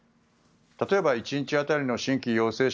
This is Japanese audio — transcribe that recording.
例えば、１日当たりの新規陽性者